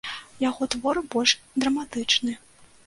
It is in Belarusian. Яго твор больш драматычны.